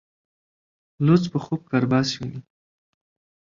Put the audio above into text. لڅ په خوب کرباس ويني.